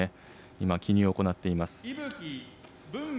今、記入を行っています。